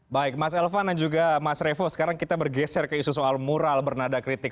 baik mas elvan dan juga mas revo sekarang kita bergeser ke isu soal moral bernada kritik